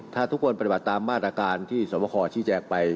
ถ้าทุกคนปฏิบัติตามมาตรการที่สวบคอชี้แจงไป